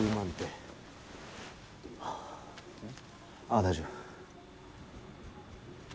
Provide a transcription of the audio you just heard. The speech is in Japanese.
ああ大丈夫。